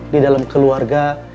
di dalam keluarga